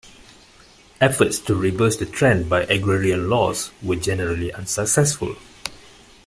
Efforts to reverse the trend by agrarian laws were generally unsuccessful.